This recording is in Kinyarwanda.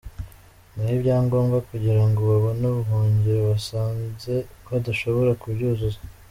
Naho ibyangombwa kugira ngo babone ubuhungiro basanze badashobora kubyuzuza.